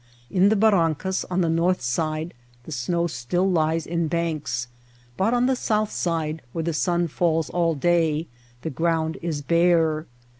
In the barrancas on the north side the snow still lies in banks, but on the south side, where the sun falls all day, the ground is bare.